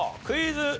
クイズ。